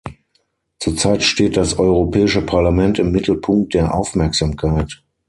Zur Zeit steht das Europäische Parlament im Mittelpunkt der Aufmerksamkeit.